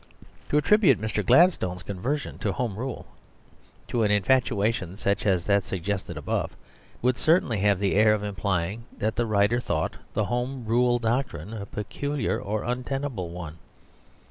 To attribute Mr. Gladstone's conversion to Home Rule to an infatuation such as that suggested above, would certainly have the air of implying that the writer thought the Home Rule doctrine a peculiar or untenable one.